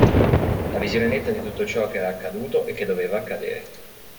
La visione netta di tutto ciò che era accaduto e che doveva accadere.